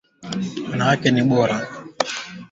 njia bora za kupika viazi lishe